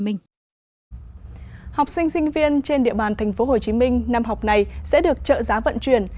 minh học sinh sinh viên trên địa bàn thành phố hồ chí minh năm học này sẽ được trợ giá vận chuyển